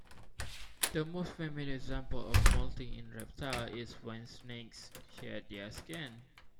The most familiar example of moulting in reptiles is when snakes "shed their skin".